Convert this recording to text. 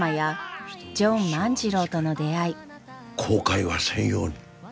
後悔はせんように。